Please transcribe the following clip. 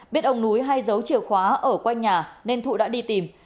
biết ông núi hay giấu chìa khóa ở quanh nhà nên thụ đã đi tìm